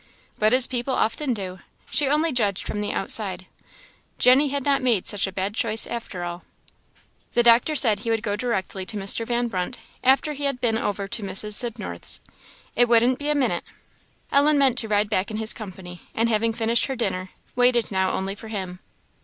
But as people often do, she only judged from the outside; Jenny had not made such a bad choice after all. The doctor said he would go directly to Mr. Van Brunt after he had been over to Mrs. Sibnorth's; it wouldn't be a minute. Ellen meant to ride back in his company; and having finished her dinner, waited now only for him.